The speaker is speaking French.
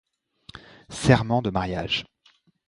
Serment de mariage.